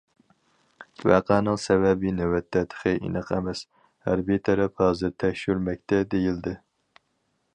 ۋەقەنىڭ سەۋەبى نۆۋەتتە تېخى ئېنىق ئەمەس، ھەربىي تەرەپ ھازىر تەكشۈرمەكتە، دېيىلدى.